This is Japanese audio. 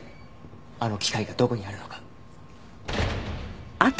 あの機械がどこにあるのか。